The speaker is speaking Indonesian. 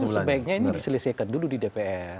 ya memang sebaiknya ini diselesaikan dulu di dpr